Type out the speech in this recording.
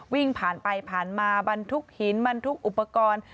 วิ่งผ่านไปผ่านมาบรรทุกหินบรรทุกอุปกรณ์